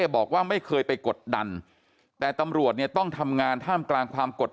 บอกว่าไม่เคยไปกดดันแต่ตำรวจต้องทำงานท่ามกลางความกด